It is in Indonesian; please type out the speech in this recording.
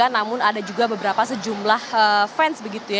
namun ada juga beberapa sejumlah fans